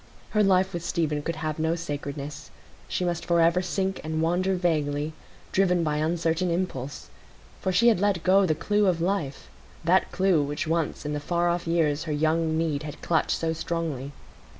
Her life with Stephen could have no sacredness; she must forever sink and wander vaguely, driven by uncertain impulse; for she had let go the clue of life,—that clue which once in the far off years her young need had clutched so strongly.